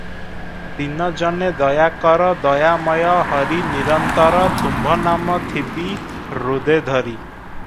ଦୀନ ଜନେ ଦୟା କର ଦୟାମୟ ହରି ନିରନ୍ତର ତୁମ୍ଭ ନାମ ଥିବି ହୃଦେ ଧରି ।"